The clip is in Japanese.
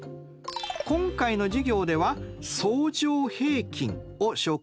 今回の授業では「相乗平均」を紹介します。